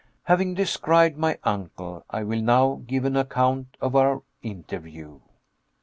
Having described my uncle, I will now give an account of our interview.